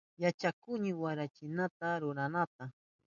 Yachakuhuni wayrachinata ruranata.